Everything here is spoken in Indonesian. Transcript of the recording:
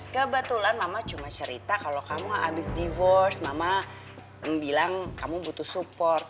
kebetulan mama cuma cerita kalau kamu abis di force mama bilang kamu butuh support